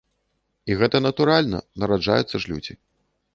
І гэта натуральна, нараджаюцца ж людзі.